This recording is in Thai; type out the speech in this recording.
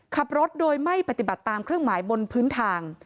ขับรถโดยไม่ปฏิบัติตามเครื่องหมายบนพื้นทาง